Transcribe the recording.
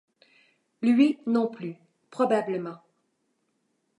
Lui non plus, probablement.